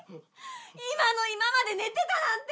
今の今まで寝てたなんて！